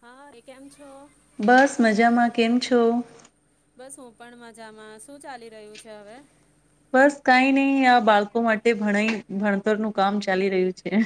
હા એ કેમ છો? બસ મજામાં, કેમ છો? બસ હું પણ મજામાં, શું ચાલી રહ્યું છે હવે? બસ કઈ નહી આ બાળકો માટે ભણાઈ ભણતરનું કામ ચાલી રહ્યું છે.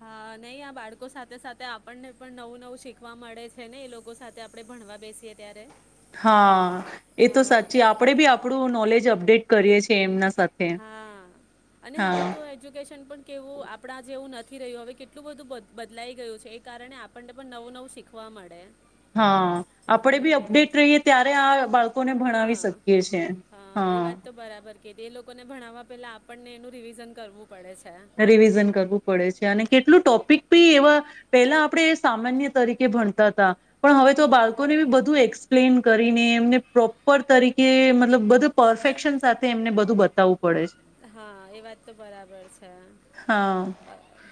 હા નહી આ બાળકો સાથે સાથે આપણને પણ નવું નવું શીખવા મળે છે ને એ લોકો સાથે આપણે ભણવા બેસીએ ત્યારે. હા, એ તો હા સાચી આપડે બી આપણું નોલેજ અ અડેટ કરીએ છીએ એમના સા હા, અને હવે તો એજ્યુકેશન પણ કેવું આપણા જેવું ન થી રહ્યું હવે કેટલું બધું બ બદલાઈ ગયું છે એ કારણે આપણને પણ નવું નવું શીખવા મળે. હા, આપડે બી હમ અપડેટ રહીએ ત્યારે આ બાળ કોને હા ભણાવી શકીએ છે, હા. કે તે લોકોને ભણાવવા પેલા આપણને એનું રિવિઝન કરવું પડે છે રિવિઝન કરવું પડે છે અને કેટલું ટોપિક બી એવા, પેલા આપડે એ સામાન્ય તરીકે ભણતા હતા. પણ હવે તો હમ બાળકો ને બી બધું એક્સપ્લેન કરીને એમને પ્રોપર તરીકે મતલબ બધું પરફેક્શન સાથે એમને બધું બતાવુ હા, એ વાત તો બરાબર છે. હા.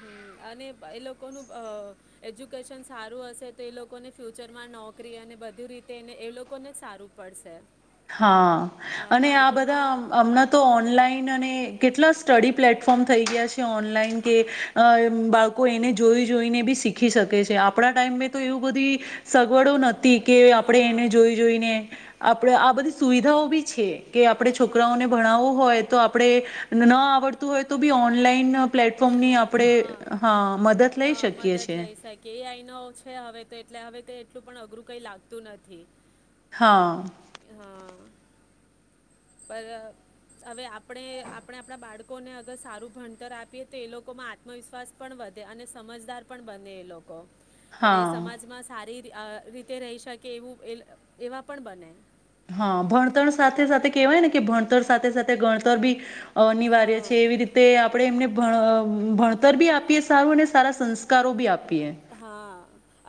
હમ્મ, બા અને એ લોકોનું અહ એજ્યુકેશન સારું હશે તો એ લોકોને ફ્યુચરમાં નોકરી અને બધી રીતે એને એ લોકોને જ સારું પડશે. હા, હા અને આ બધા બાળકોમાં અમાણાં તો હમ, ઓનલાઈન અને કેટલા સ્ટડી પ્લેટફોર્મ થઈ ગયા છે ઓનલાઈન કે, અહ બાળકો એને જોઈ જોઈને બી શીખી શકે છે આપડા ટાઈમમે તો એવું બધી, સગવડો ન થી કે ન આપડે એને હા જોઈ જોઈને તો એ આ બધી સુવિધાઓ બી છે. કે આપડે હા છોકરાઓને ભણાવવું હોય તો આપ આપડે ના આવડતું હોય તો બી ઓનલાઈન પ્લેટફોર્મની ઓનલાઈન આપણે હા હા મદદ લઈ હા શકીએ મદદ છીએ લઈ શકે એ અઈનો છે હવે તો એટલે હવે કઈ એટલું પણ અઘરું કઈ લાગતું નથી. હા. હા પર અહ હવે આપ આપડે આપણા બાળ કોને અગર સારું ભણતર આપીએ તો એ લોકોમાં આત્મવિશ્વાસ પણ વધે અને સમજદાર પણ બને એ લોકો. અને હા સમાજમાં સારી તે આહ રીતે રહી શકે એવું એવા પણ બને. હા ભણતર સાથે સાથે કેવાય ને કે ભણતર સાથે સાથે ભણતર બી અનિવાર્ય છે એવી હા રીતે આપણે એમને ભણતર બી આપીએ સારું અને સારા સંસ્કારો બી આપીએ હા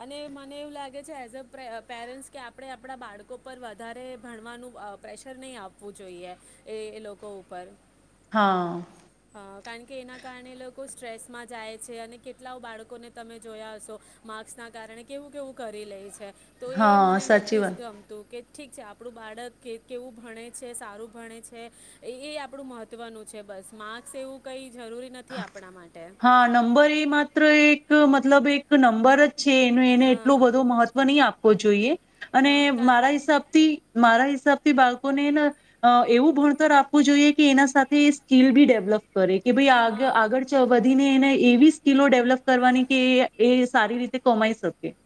અને મને એવું લાગે એઝ અ પેરેન્ટ્સ કે આપણે આપણા બાળકો પર વધારે ભણવાનું અ પ્રેશર નહીં આપવું જોઈએ એ એ લોકો ઉપર હા હ કારણ કે એના કારણે લોકો સ્ટ્રેસમાં જાય છે અને કેટલા બાળકોને તમે જોયા હશો માક્સ ના કારણે કેવું કેવું કરી લે છે તો એ હા મને સાચી નથી વાત. ગમતું કે ઠીક છે આપણું બાળક કે કેવું ભણે છે સારું ભણે છે એ આપણું મહત્ત્વનું છે બસ માર્ક્ક એવું કઈ હા નંબર એ માત્ર એક એક મતલબ એક નંબર છે એ એને હા એટલો બધો મહત્વ નહી આપવો જોઈએ અને હા કા મારા હિસાબથી મારા હિસાબથી બાળકોને એવું ભણતર આપવું જોઈએ કે એના સાથે સ્કીલ બી ડેવલપ કરે કે ભાઈ આગ હા આગળ ચ વધીને એને એવી સ્કીિલો ડેવલપ કરવાની કે એ સારી રીતે કમાઈ શકે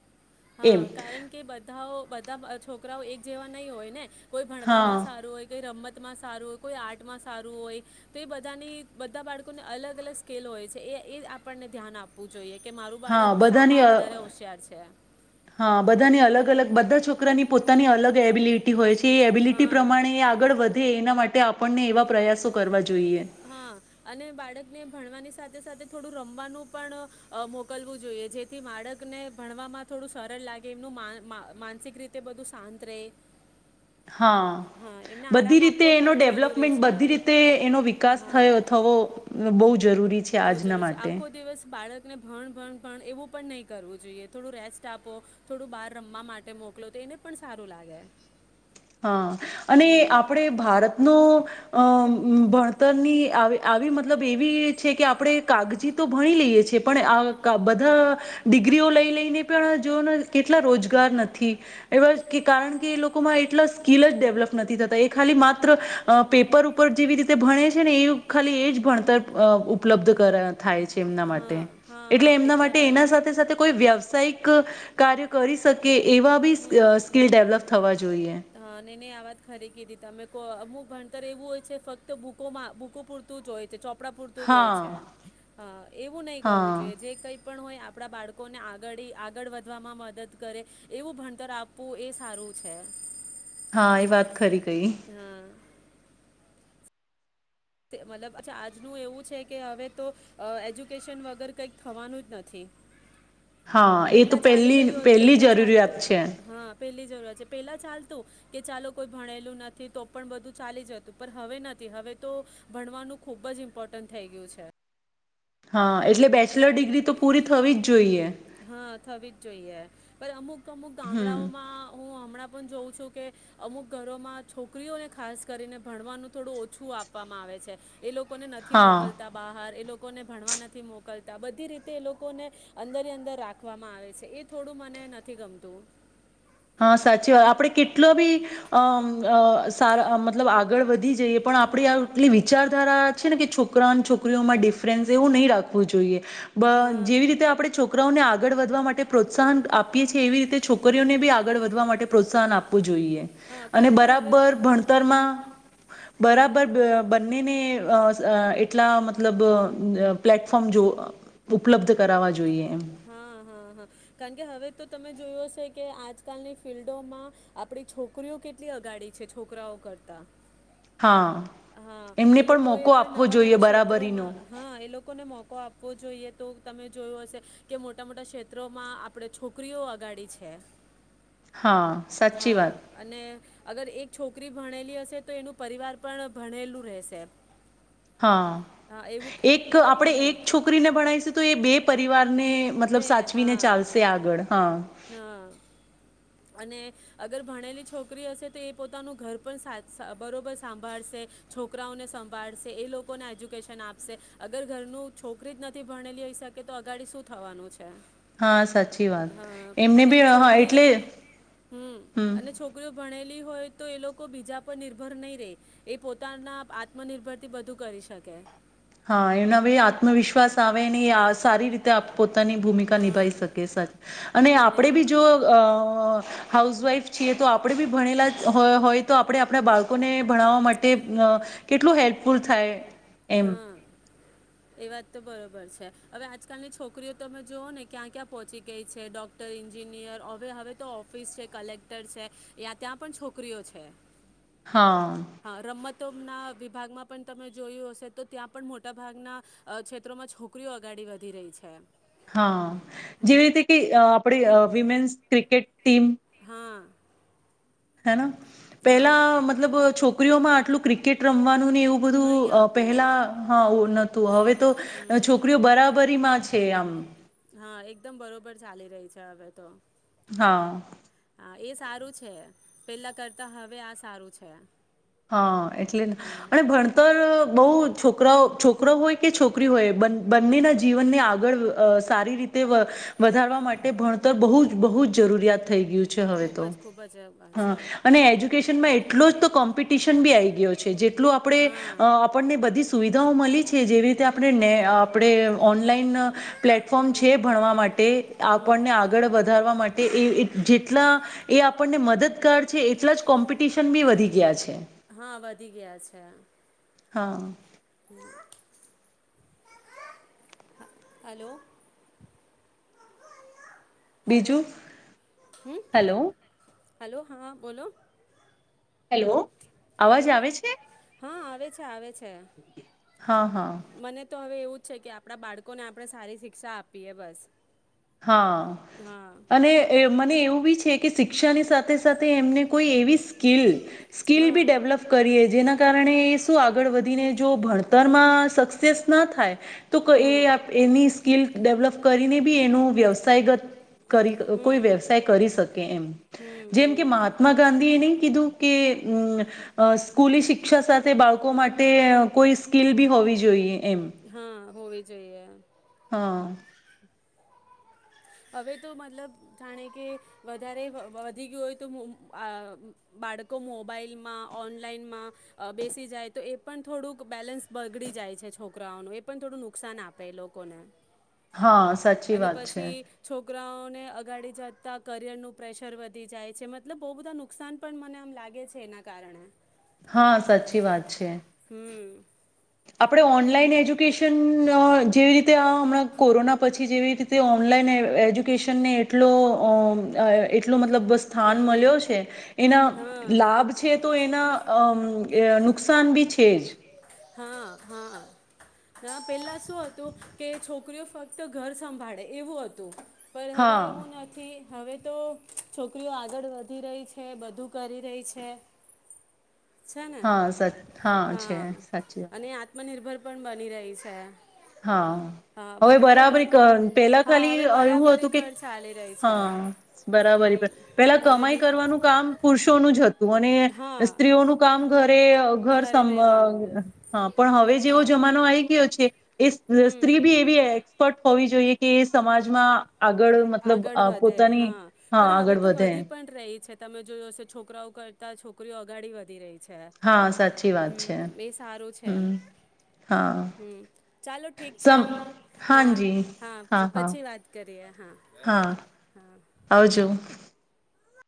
હા એમ કારણ કે બધાઓ છોકરાઓ એક જેવા નહી હોય ને કોઈ હા ભણવામાં સારું હોય કોઈ રમત માં સારું હોય કોઈ આર્ટમાં સારું હોય તો એ બધાની બધા બાળકોને અલગ અલગ સ્કેલ હોય છે એ એ આપણને ધ્યાન આપવું જોઈએ કે મારું હા બાળક બધાની સામાં અ વધારે હોશિયાર છે હા બધાની અલગ અલગ બધા છોકરાની પોતાની અલગ એબિલિટી હોય છે કે એબિલિટી હા પ્રમાણે આગળ વધે એના માટે માટે આપણને એવા પ્રયાસો કરવા જો હા અને બાળકને ભણવાની. સાથે સાથે થોડું રમવાનું પણ અ મોકલવું જોઈએ જેથી બાળકને ભણવામાં થોડું સરળ લાગે એમનું મા મા માનસિક રીતે બધું શાંત રહે. હા એમને બધી આરામ રીતે આપવો એનો પણ જરૂરી ડેવલપમેન્ટ છે બધી રીતે એનો વિકાસ હા થયો થવો બહુ જ. જરૂરી છે આજના માટે. ને ભણ ભણ ભણ એવું પણ નહીં કરવું જોઈએ થોડું રેસ્ટ આપો થોડું બહાર રમવા માટે મોકલો તો એને પણ સારું લાગે. હા અને હમ આપણે ભારતનો. અ ભણતરની આવી આવી મતલબ એવી છે કે આપણે કાગજી તો ભણી લઈએ છીએ પણ આ બધા ડિગ્રીઓ લઈ લઈને પણ જોઓ કેટલા રોજગાર નથી એવા કારણ કે એ લોકોમાં. એટલા સ્કિલ જ ડેવલપ નથી થતા એ ખાલી માત્ર અ પેપર ઉપર જેવી રીતે ભણે છે ને એ ખાલી એ જ ભણતર અ ઉપલબ્ધ થાય છે. એ માટે હા હા એટલે હા એમના કેટલા માટે બાળક એના સાથે સાથે કોઈ વ્યવસાયિક. ક કાર્ય કરી શકે. એવા બી સ્ક હમ સ્કિલ ડેવલપ થવા જોઈએ. હા નઈ નઈ આ વાત ખરી કીધી તમે કો અમુક ભણતર એવું હોય છે ફક્ત બુકોમાં બુકો પૂરતું જ હોય છે, ચો પડાં પૂરતું જ હોય છે, હા હા એવું નઈ કરવું હા જોઈએ, જે કંઈ પણ હોય આપણા બાળકોને આગાળી આગળ વધવામાં મદદ કરે એવું ભણતર આપવું એ સારું છે. હા એ વાત ખરી. કઈ હા. ત મતલબ અચ્છા આજનું એવું છે કે અવે તો એજ્યુકેશન વગર કંઈક થવાનું જ નથી. હા એ તો પેલ્લા ચાલી પહેલી રહ્યોત પહેલી પેલ્લા જરૂરિયાત ચાલતું, છે હા પેલ્લી જરૂરત છે, પેલ્લા ચાલતું કે ચાલો કોઈ ભણેલું નથી, તો પણ બધું ચાલી જતું પણ હવે નથી હવે તો ભણવાનું ખૂબ જ ઇમ્પોર્ટન્ટ થઈ ગયું છે. હા એટલે બે ચલર ડિગ્રી તો પૂરી થવી જ જોઈએ પર અમુક અમુક ગામડાઓમાં ઉં હમણાં પણ જોઉં છુ કે અમુક ઘરોમાં છોકરીઓને ખાસ કરીને ભણવાનું થોડું ઓછું આપવામાં આવે છે. એ લોકોને નથી હા મોકલતા બહાર એ લોક કોને ભણવા નથી મોકલતા બધી રીતે એ લોકોને અંદર ને અંદર રાખવામાં આવે છે, એ થોડું મને નથી ગમતું. હા સાચી વાત, આપણે કેટલો બી અમ અ સારા મતલબ આગળ વધી જઈએ પણ આપણી આટલી વિચારધારા છે ને કે છોકરા અને છોકરીઓમાં ડિફરન્સ એવું નઈ રાખવું જોઈએ. બ હા જેવી રીતે આપણે છોકરાઓને આગળ વધવા માટે પ્રોત્સાહન આપ પીએ એવી રીતે છોકરીઓને બી આપ આગળ વધવા માટે પ્રોત્સાહન આપવું જોઈએ. હા અને કારણ કે હવે તો બરાબર ભણતરમાં હમ બરાબર હમ બ બંનેને અ અ એટલા મતલબ પ્લેટફોર્મ જો ઉપલબ્ધ કરાવવા જોઈએ. એમ હા, હા, હા, કાણ કે હવે તો તમે જોયુ હશે કે આજકાલની ફિલ્ડોમાં આપણી છોકરીઓ કેટલી અગાડી છે છોકરાઓ કરતાં હા હા એમને એ પણ લોકો એ મોકો પણ આપવો નવા જોઈએ નવા બરાબરીનો સેત્રોમાં હા એ લોકોને મોકો આપ પવો જોઈએ તો તમે જોયું હશે કે મોટા મોટા સેત્રોમાં આપડે છોકરીઓ અગાડી છે. હાં સાચી હા વાત. અને અગર એક છોકરી ભણેલી હશે તો એનું પરિવાર પણ ભણેલું રહેશે. હાં, હા એવું ક- એક બરાબર આપણે ને એક છોકરીને ભણાઈશુ તો એ બે પ રિવારને મતલબ ને સાચવીને હા ચાલશે આગળ હાં. હા અને અગર ભણેલી છોકરી હશે તો એ પોતાનું ઘર પણ સાચ બરોબર સાંભાળશે છોકરાઓને સંભાળશે, એ લોકોને એજ્યુકેશન આપશે અગર ઘરનું છોકરી જ નથી ભણેલી હોઈ શકે, તો અગાડી શું થવાનું છે. હા સાચી વાત એમને બી હા એટલે હમ્મ હમ અને છોકરીઓ ભણેલી હોય તો એ લોકો બીજા પર નિર્ભર નહી રે એ પોતાના આત્મનિર્ભર થી બધું કરી શકે. હા એને હવે આત્મવિશ્વાસ આવે ને એ સારી રીતે એ પોત પોતાની ભૂમિકા હા નિભાવી શકે સાચ અને આપડે બી જો અહ હા હાઉસવાઈફ છીએ તો આપડે બી ભણેલા હો-હોય તો આપડે આપડા બાળકોને ભણાવવા માટે અહ કેટલું હેલ્પફુલ થાય. એમ હા. એ વાત તો બરોબર છે. હવે આજકાલની છોકરીઓ તમે જોુઓ ને ક્યાં ક્યાં પહોંચી ગઈ છે ડોક્ટર ન્જિનિયર હવે હવે તો ઓફિસ છે કલેક્ટર છે યા ત્યાં પણ છોકરીઓ છે. હા. તોના વિભાગમાં પણ તમે જોયું હશે તો ત્યાં પણ મોટાભાગના ક્ષેત્રોમાં છોકરીઓ અગાડી વધી રહી છે. હા જેવી હમ, રીતે કે અ આપ વિમેન્સ ક્રિકેટ ટીમ હા. હેના પેલા હા મતલબ છોકરીઓમાં આટલે આટલું ક્રિકેટ રમવાનું એવું નહીં બધું આવતું પહેલા હા આ તો હવે તો હમ, છોકરીઓ બરાબરીમાં તે આમ હા એકદમ બરોબર ચાલી રહી છે હવે તો. હા. હા એ સારું છે. પેલા કરતા હવે આ સારું છે. હા. એટલેને હા અને ભણતર બહુ છોકરાઓ છોકરો હોય કે છોકરી હોય બંનેના જીવનને આગળ સારી રીતે અવધારવા માટે એ ભણતર બહુ જ બહુ જ જરૂરિયાત થઈ ગયું છે હવે ખૂબ તો જ ખૂબ જ છે અને એજ્યુકેશન માં [unintelligible] કોમ આઈ ગયો છે જેટલું આપણે હા આપણને બધી સુવિધાઓ મલી છે કે જેવી રીતે આપણે ને આપણે અ ઓનલાઈન પ્લેટફોર્મ છે ભણવા માટે હમ આપણને આગળ વધારવા માટે એ જેટલા એ આપણને મદદગાર છે એટલા જ કોમ્પિટિશન બી વધી ગયા છે હા, વધી ગયા છે હા હલો હલો બીજું હમ હલો હલો હા બોલો હેલો હલો અવાજ આવે છે હા આવે છે આવે છે હા હા મને તો હવે એવું છે કે આપણા બાળકોને આપણે સારી શિક્ષા આપીએ બસ. હા હા અને મને એવું છે કે શિક્ષાની સાથે સાથે એમને કોઈ એવી સ્કીિલ સ્કીલ હા બી ડેવલપ કરીએ જેના કારણે શું આગળ વધીને જો ભણતરમાં સક્સેસ ના થાય તો એ હમ એની સ્કિલ ડેવલપ કરીને બી એનું વ્યવસાયગત કરી કોઈ હમ વ્યવસાય કરી શકે એમ હમ જેમ કે હમ મહાત્મા ગાંધી નહી કીધું કે અ સ્કૂલી શિક્ષા સાથે બાળકો માટે કોઈ સ્કીિલ બી હોવી જોઈએ. એમ હા હોવે જોઈએ હા હવે તો મતલબ જાણે કે વધારે વધી ગયું હોય તો મુ આ બાળકો મોબાઈલમાં ઓનલાઈનમાં બેસી જાય તો એ પણ થોડુંક બેલેન્સ બગડી જાય છે છોકરાઓનું એ પણ થોડું નુકસાન આપે લોકોને હા સાચી અને વાત છે. પછી છોકરાઓને અગાડી જતાં કરિયરનું પ્રેશર વધી જાય છે મતલબ બહુ બધા નુકસાન પણ મને આમ લાગે છે એના કારણે. હા સાચી વાત છે. હમ આપણે ઓનલાઈન એજ્યુકેશન જેવી રીતે આ હમણાં કોરોના પછી જેવી રીતે ઓનલાઈન એજ્યુકેશનને એટલો અ અમ એટલો મતલબ સ્થાન મલ્યો હમ છે એના હા લાભ છે તો એના અ અમ નુકસાન બી છે જ. હા હા હ પેલા શું હતું કે છોકરીઓ ફક્ત ઘર સંભાળે એવું હતું. પર હવે હા એવું નથી હવે તો. છોકરીઓ આગળ વધી રહી છે બધું કરી રહી છે. છે ને હા સ હા છે. સાચી વાત અને આત્મનિર્ભર. પણ બની રહી છે. હા હા હવે બન મતલબ બરાબર કોન ક પેલા હા ખાલી હવે એવું બરાબરી હતું કે પર ચાલી રહી છે હા બરાબર હમ પેલા હવે કમાઈ ડીપ કરવાનું કામ પુરુષોનું જ હતું. હા સ્ત્રીઓનું કામ. ઘરે ઘર ઘરે સમ રહેવાનું હા પણ હવે જેવો હા જમાનો આવી ગયો છે. એ હમ સ્ત્રી ભી એવી એક્સપર્ટ હોવી જોઈએ કે એ સમાજમાં આગળ મતલબ આગળ વધે પોતાની હા પણ હવે આગળ તો વધે વધી પણ રહી છે તમે જોયું હશે છોકરાઓ કરતા છોકરીઓ આગાડી વધી રહી છે છે, હા સાચી વાત છે હમ એ સારું છે એમ હમ હા હમ ચાલો ઠીક છે સમ હા, હાજી હા, પછી વાત કરીએ હા નાહી લીધું હા આવજો